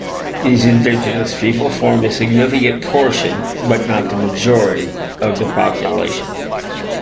These indigenous people form a significant portion, but not the majority, of the population.